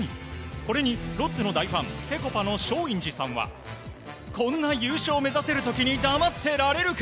これにロッテの大ファンぺこぱの松陰寺さんはこんな優勝目指せる時に黙ってられるか！